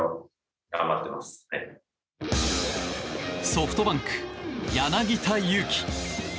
ソフトバンク、柳田悠岐。